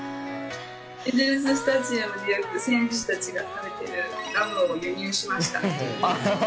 エンゼルス・スタジアムで選手たちがよく食べてるガムを輸入しました。